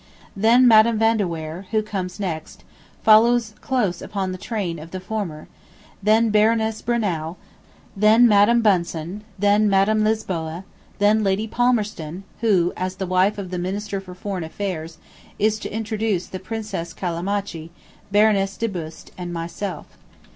Then Madam Van de Weyer, who comes next, follows close upon the train of the former, then Baroness Brunnow, the Madam Bunsen, then Madam Lisboa, then Lady Palmerston, who, as the wife of the Minister for Foreign Affairs, is to introduce the Princess Callimachi, Baroness de Beust, and myself.